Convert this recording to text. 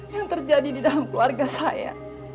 yang terjadi di dalam keluarga saya